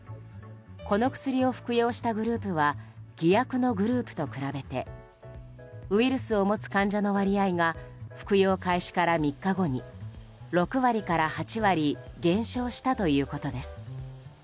この薬を服用したグループは偽薬のグループと比べてウイルスを持つ患者の割合が服用開始から３日後に６割から８割減少したということです。